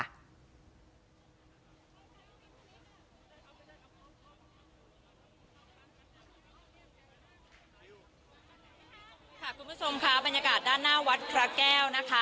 คุณผู้ชมค่ะบรรยากาศด้านหน้าวัดพระแก้วนะคะ